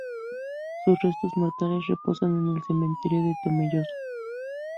Sus restos mortales reposan en el cementerio de Tomelloso.